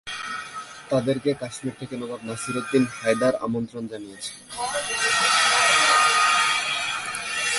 তাদেরকে কাশ্মীর থেকে নবাব নাসির-উদ্দিন হায়দার আমন্ত্রণ জানিয়েছিলেন।